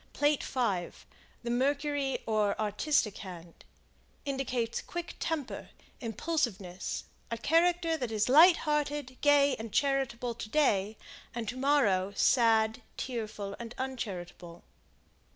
Plate V The Mercury or Artistic Hand, indicates quick temper, impulsiveness; a character that is light hearted, gay and charitable, to day; and to morrow, sad, tearful and uncharitable.